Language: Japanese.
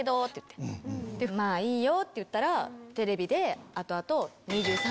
「まぁいいよ」って言ったらテレビで後々。